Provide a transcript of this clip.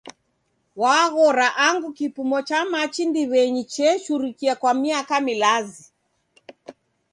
Waghora angu kipimo cha machi ndiw'enyi chechurikia kwa miaka milazi